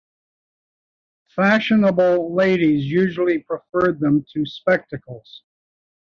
Fashionable ladies usually preferred them to spectacles.